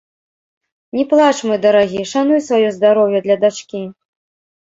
Не плач, мой дарагі, шануй сваё здароўе для дачкі.